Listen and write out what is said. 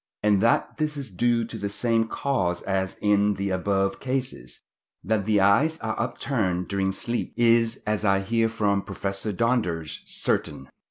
and that this is due to the same cause as in the above cases. That the eyes are upturned during sleep is, as I hear from Professor Donders, certain.